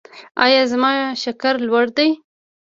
ایا زما شکر لوړ دی؟